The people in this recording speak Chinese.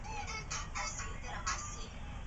警察从被破坏之栅栏缺口突围而出